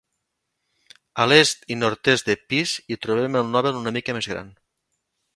A l"est i nord-est de Pease hi trobem el Nobel una mica més gran.